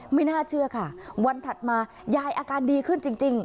ไม่น่าเชื่อค่ะวันถัดมายายอาการดีขึ้นจริง